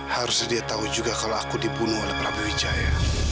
harusnya dia tahu juga kalau aku dibunuh oleh prabewijaya